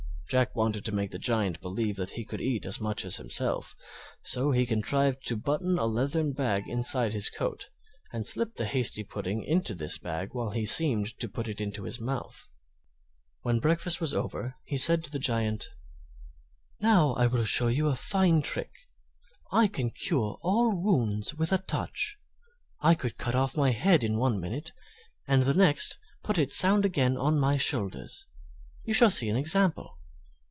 Jack wanted to make the Giant believe that he could eat as much as himself so he contrived to button a leathern bag inside his coat and slip the hasty pudding into this bag while he seemed to put it into his mouth. When breakfast was over he said to the Giant: "Now I will show you a fine trick. I can cure all wounds with a touch; I could cut off my head in one minute, and the next put it sound again on my shoulders. You shall see an example."